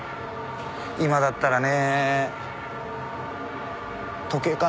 今だったらね。